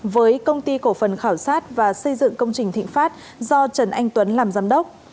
với công ty cổ phần khảo sát và xây dựng công trình thịnh pháp do trần anh tuấn làm giám đốc